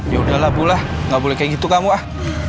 ya udahlah pula nggak boleh kayak gitu kamu ah